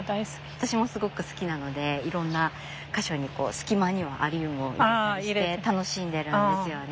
私もすごく好きなのでいろんな箇所に隙間にはアリウムを植えたりして楽しんでるんですよね。